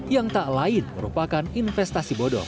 yang tak lain merupakan investasi bodoh